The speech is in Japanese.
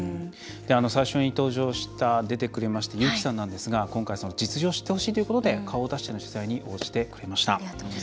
最初に登場した優輝さんなんですが実情を知ってほしいということで顔を出しての取材に応じてくれました。